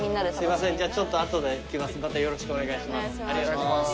またよろしくお願いします。